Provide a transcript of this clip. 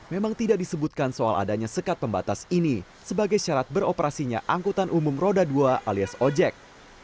memang tidak disebutkan soal adanya sekat pembatas ini sebagai syarat beroperasinya angkutan umum roda dua alias ojek